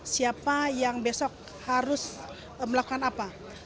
siapa yang besok harus melakukan apa